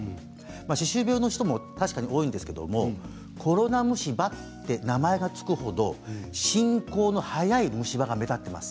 歯周病の人も確かに多いんですけれどもコロナ虫歯って名前が付くほど進行の速い虫歯が目立っています。